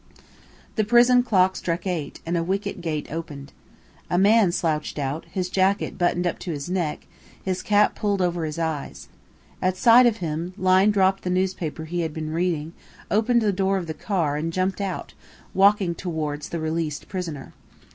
The prison clock struck eight, and a wicket gate opened. A man slouched out, his jacket buttoned up to his neck, his cap pulled over his eyes. At sight of him, Lyne dropped the newspaper he had been reading, opened the door of the car and jumped out, walking towards the released prisoner.